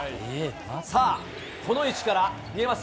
さあ、この位置から、見えます？